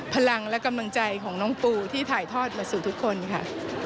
พลังและกำลังใจของน้องปูที่ถ่ายทอดมาสู่ทุกคนค่ะ